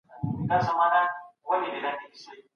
د وسايلو په کارولو سره د سړي سر توليد زياتېږي.